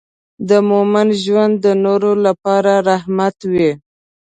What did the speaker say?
د مؤمن ژوند د نورو لپاره رحمت وي.